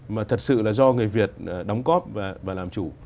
mà thật sự là do người việt đóng góp và làm chủ